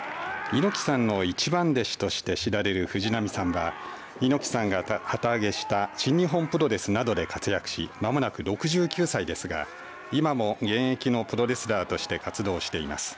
猪木さんの一番弟子として知られる藤波さんは猪木さんが旗揚げした新日本プロレスなどで活躍し間もなく６９歳ですが今も現役のプロレスラーとして活動しています。